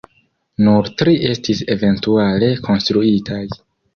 Nur tri estis eventuale konstruitaj.